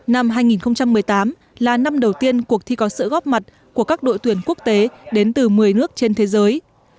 năm hai nghìn một mươi tám là năm đầu tiên cuộc thi có sự góp mặt của các đội tuyển quốc tế đến từ một mươi nước trên thế giới